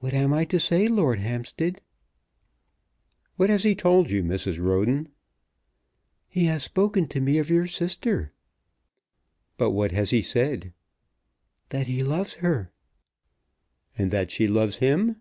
"What am I to say, Lord Hampstead?" "What has he told you, Mrs. Roden?" "He has spoken to me of your sister." "But what has he said?" "That he loves her." "And that she loves him?"